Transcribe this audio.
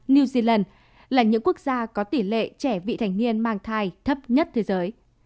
new zealand là những quốc gia có tỷ lệ trẻ vị thành niên mang thai thấp nhất thế giới